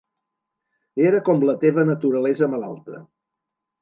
Era com la teva naturalesa malalta.